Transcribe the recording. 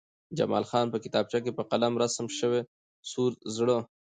جمال خان چې په کتابچه کې په قلم رسم شوی سور زړه